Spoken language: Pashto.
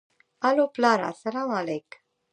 الو پلاره سلام عليک.